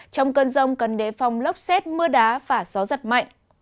trong cơn rông cần đế phong lốc xếp mưa đá và gió giật mạnh